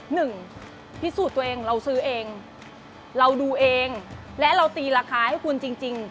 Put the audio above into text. หนึ่งพิสูจน์ตัวเองเราซื้อเองเราดูเองและเราตีราคาให้คุณจริงจริง